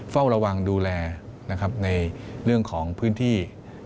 เฝ้าระวังดูแลนะครับในเรื่องของพื้นที่